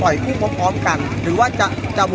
สวัสดีครับทุกคนวันนี้เกิดขึ้นทุกวันนี้นะครับ